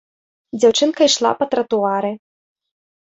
Дзяўчынка ішла па тратуары.